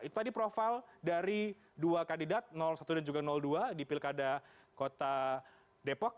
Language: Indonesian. itu tadi profil dari dua kandidat satu dan juga dua di pilkada kota depok